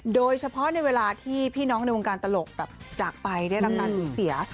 โดยเฉพาะในเวลาที่พี่น้องในวงการตลกแบบจากไปได้รับการสูญเสีย